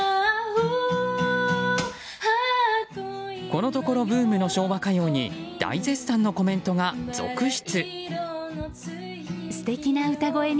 このところブームの昭和歌謡に大絶賛のコメントが続出。